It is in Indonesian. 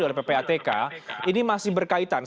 ini masih berhubungan dengan aliran dana yang diperlukan oleh ppatk